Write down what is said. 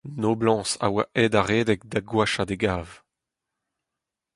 Noblañs a oa aet a-redek da goachañ d'e gav.